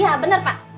iya bener pak